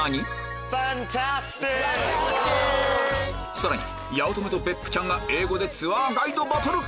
さらに八乙女と別府ちゃんが英語でツアーガイドバトル！